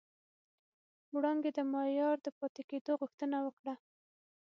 وړانګې د ماريا د پاتې کېدو غوښتنه وکړه.